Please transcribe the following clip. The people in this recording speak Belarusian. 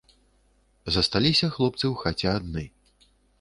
Засталіся хлопцы ў хаце адны.